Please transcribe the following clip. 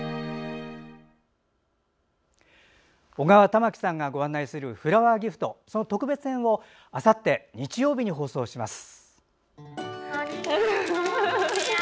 緒川たまきさんがご案内する「フラワーギフト」の特別編をあさって日曜日に放送します。